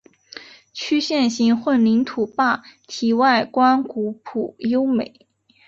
曲线形混凝土坝体外观古朴优美。